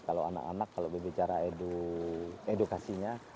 kalau anak anak kalau berbicara edukasinya